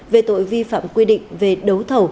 về tội vi phạm quy định về đấu thẩu